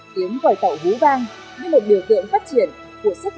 tiếng gòi tàu hú vang như một điều kiện phát triển của sức khỏe